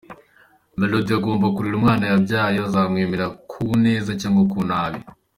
Melody agomba kurera umwana yabyaye, azamwemera ku neza cyangwa ku nabi.